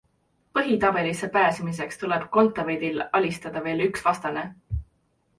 Põhitabelisse pääsemiseks tuleb Kontaveidil alistada veel üks vastane.